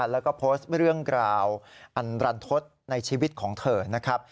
แล้วก็โพสต์เรื่องกล่าวอันรันทศในชีวิตของเธอนะครับ